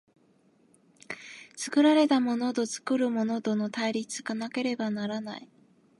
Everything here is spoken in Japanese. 作られたものと作るものとの対立がなければならない。